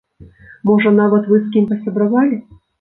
Можа, нават вы з кім пасябравалі?